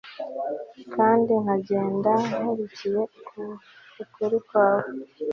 kandi nkagenda nkurikiye ukuri kwawe